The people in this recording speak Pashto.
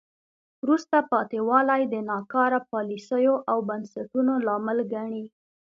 وروسته پاتې والی د ناکاره پالیسیو او بنسټونو لامل ګڼي.